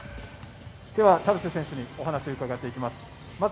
では、田臥選手にお話、伺っていきます。